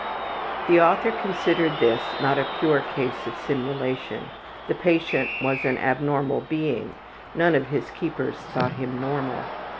The author considered this not a pure case of simulation; the patient was an abnormal being, none of his keepers thought him normal.